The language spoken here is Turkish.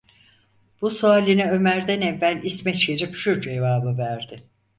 Bu sualine Ömer’den evvel İsmet Şerif şu cevabı verdi: